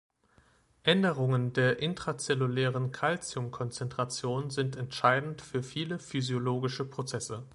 Änderungen der intrazellulären Calciumkonzentration sind entscheidend für viele physiologische Prozesse.